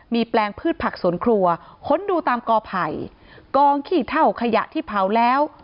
มีแปลงพืชผักสวนครัวค้นดูตามกอไผ่กองขี้เท่าขยะที่เผาแล้ว